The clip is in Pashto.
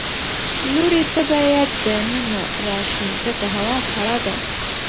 لورې ته باید د ننه راشې ځکه هوا سړه ده.